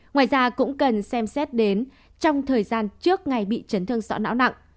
ngoài ra cũng cần xem xét đến trong thời gian trước ngày bị chấn thương sọ não nặng